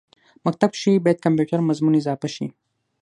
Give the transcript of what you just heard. مکتب کښې باید کمپیوټر مضمون اضافه شي